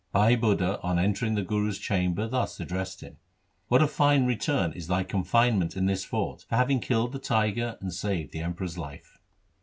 Bhai Budha on entering the Guru's chamber thus addressed him, ' What a fine return is thy confinement in this fort for having killed the tiger and saved the Emperor's life